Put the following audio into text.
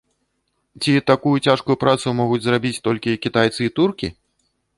Ці такую цяжкую працу могуць зрабіць толькі кітайцы і туркі?